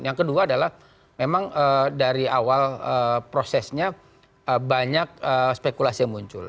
yang kedua adalah memang dari awal prosesnya banyak spekulasi yang muncul